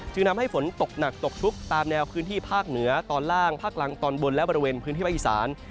ทำให้ฝนตกหนักตกชุกตามแนวพื้นที่ภาคเหนือตอนล่างภาคกลางตอนบนและบริเวณพื้นที่ภาคอีสาน